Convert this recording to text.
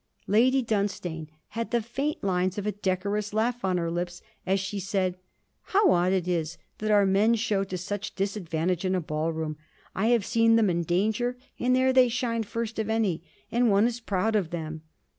Lady Dunstane had the faint lines of a decorous laugh on her lips, as she said: 'How odd it is that our men show to such disadvantage in a Ball room. I have seen them in danger, and there they shine first of any, and one is proud of them.